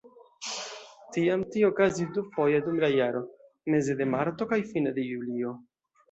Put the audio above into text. Tiam tio okazis dufoje dum la jaro: meze de marto kaj fine de julio.